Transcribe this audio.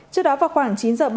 trước đó vào khoảng chín giờ